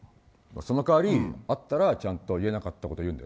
その代わり、会ったらちゃんと言えなかったことを言うんだよ。